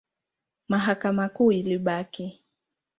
Mahakama Kuu ilibaki.